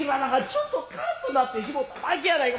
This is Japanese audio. ちょっとカーッとなってしもただけやないか。